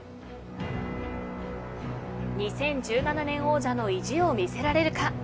２０１７年王者の意地を見せられるか。